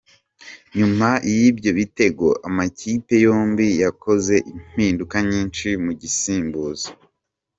Nyuma y’ibyo bitego, amakipe yombi yakoze impinduka nyinshi mu gusimbuza.